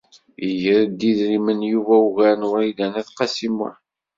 Iggar-d idrimen Yuba ugar n Wrida n At Qasi Muḥ.